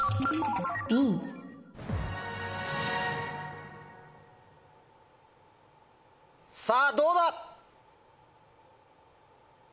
Ｂさぁどうだ！